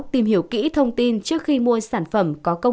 tìm hiểu kỹ thông tin trước khi mua sản phẩm